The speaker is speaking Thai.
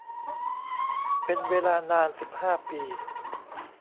เป็นเวลานาน สิบห้า ปี